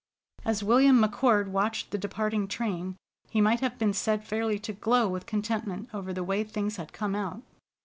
As William McCord watched the departing train, he might have been said fairly to glow with contentment over the way things had come out.